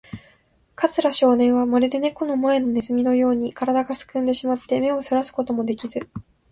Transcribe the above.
桂少年は、まるでネコの前のネズミのように、からだがすくんでしまって、目をそらすこともできず、